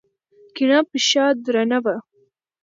کيڼه پښه درنه وه.